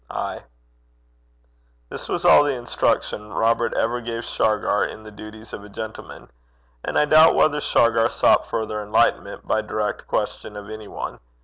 'Ay.' This was all the instruction Robert ever gave Shargar in the duties of a gentleman. And I doubt whether Shargar sought further enlightenment by direct question of any one.